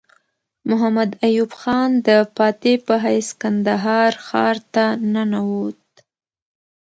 محمد ایوب خان د فاتح په حیث کندهار ښار ته ننوت.